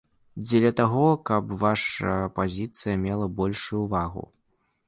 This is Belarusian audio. Дзеля таго, каб ваша пазіцыя мела большую вагу.